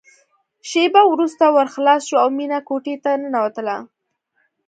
شېبه وروسته ور خلاص شو او مينه کوټې ته ننوتله